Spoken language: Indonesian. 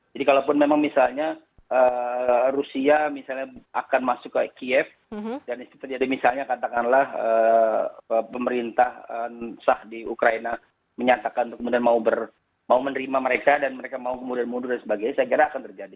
jadi kalau pun memang misalnya rusia akan masuk ke kiev dan misalnya katakanlah pemerintah sah di ukraina menyatakan untuk kemudian mau menerima mereka dan mereka mau kemudian mundur dan sebagainya saya kira akan terjadi